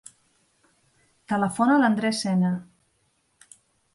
Telefona a l'Andrés Ene.